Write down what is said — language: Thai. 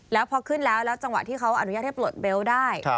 แล้วพอขึ้นแล้วแล้วจังหวะที่เขาอนุญาตให้ปลดเบลต์ได้